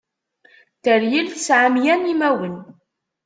Teryel tesɛa mya n imawen.